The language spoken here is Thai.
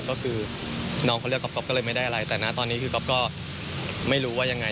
ก็คือน้องเขาเลือกก๊อฟก็เลยไม่ได้อะไรแต่นะตอนนี้คือก๊อฟก็ไม่รู้ว่ายังไง